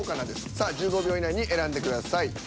さあ１５秒以内に選んでください。